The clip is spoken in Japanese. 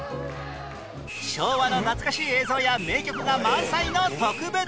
昭和の懐かしい映像や名曲が満載の特別版！